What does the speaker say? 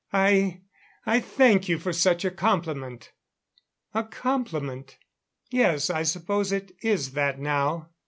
"I I thank you for such a compliment " "A compliment? Yes, I suppose it is that now.